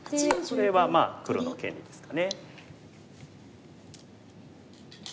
これはまあ黒の権利ですかね。